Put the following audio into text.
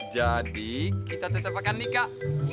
jadi kita tetap akan nikah